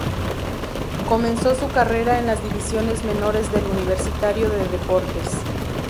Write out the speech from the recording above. Comenzó su carrera en las divisiones menores de Universitario de Deportes.